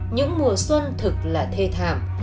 những mùa xuân thực là thê thảm